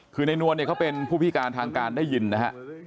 คือในนวลเนี่ยเขาเป็นผู้พิการทางการได้ยินนะฮะ